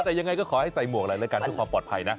แต่ยังไงก็ขอให้ใส่หมวกหน่อยแล้วกันเพื่อความปลอดภัยนะ